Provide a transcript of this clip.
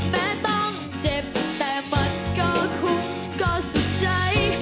แม้ต้องเจ็บแต่มันก็คุ้มก็สุดใจ